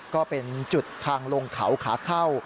ก็เป็นจุดทางลงเขาขาเข้า